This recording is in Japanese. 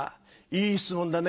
いい質問だね。